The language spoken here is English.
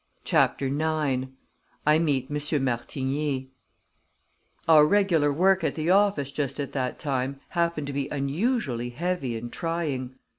CHAPTER IX I Meet Monsieur Martigny Our regular work at the office just at that time happened to be unusually heavy and trying.